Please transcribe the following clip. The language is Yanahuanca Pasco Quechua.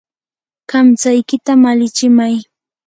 kamtsaykita malichimay.